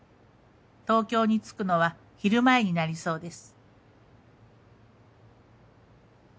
東京に着くのは昼前になりそうです」。